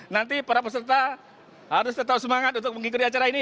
nanti para peserta harus tetap semangat untuk mengikuti acara ini